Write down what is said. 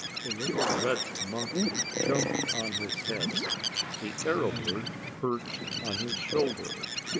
The little red monkey jumped on his head. The arrow bird perched on his shoulder.